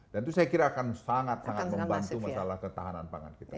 dan itu saya kira akan sangat sangat membantu masalah ketahanan pangan kita